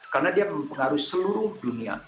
karena dia berpengaruh di seluruh dunia